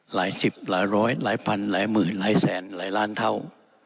หลายสิบหลายร้อยหลายพันหลายหมื่นหลายแสนหลายล้านเท่า